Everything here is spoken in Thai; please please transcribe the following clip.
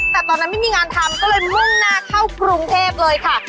แต่ตอนนั้นไม่มีงานทำก็เลยมุ่งหน้าเข้ากรุงเทพเลยค่ะ